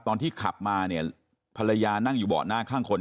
ตอนที่ขับมาเนี่ยภรรยานั่งอยู่เบาะหน้าข้างคน